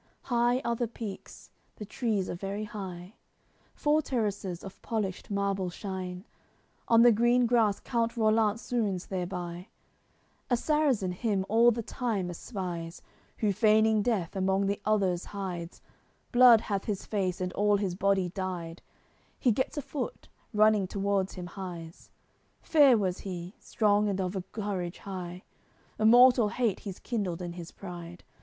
CLXIX High are the peaks, the trees are very high. Four terraces of polished marble shine; On the green grass count Rollant swoons thereby. A Sarrazin him all the time espies, Who feigning death among the others hides; Blood hath his face and all his body dyed; He gets afoot, running towards him hies; Fair was he, strong and of a courage high; A mortal hate he's kindled in his pride.